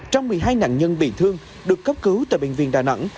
trong một mươi hai nạn nhân bị thương được cấp cứu tại bệnh viện đà nẵng